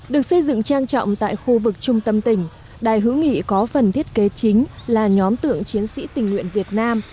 được xây dựng trang trọng tại khu vực trung tâm tỉnh đài hữu nghị có phần thiết kế chính là nhóm tượng chiến sĩ tình nguyện việt nam